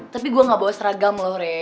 tapi gue gak bawa seragam loh re